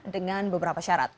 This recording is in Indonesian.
dengan beberapa syarat